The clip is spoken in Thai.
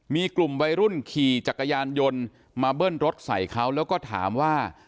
มีกลุ่มวัยรุ่นขี่จักรยานยนต์มาเบิ้ลรถใส่เขาแล้วก็ถามว่า